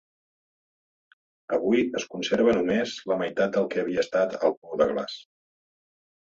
Avui es conserva només la meitat del que havia estat el pou de glaç.